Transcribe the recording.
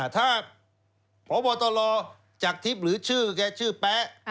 ถ้าผู้บัญชาการตลอดจากทฤษฐ์หรือชื่อแกชื่อแป๊ะ